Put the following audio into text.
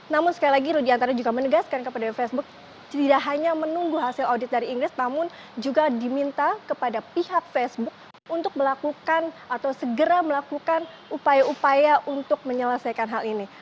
namun sekali lagi rudiantara juga menegaskan kepada facebook tidak hanya menunggu hasil audit dari inggris namun juga diminta kepada pihak facebook untuk melakukan atau segera melakukan upaya upaya untuk menyelesaikan hal ini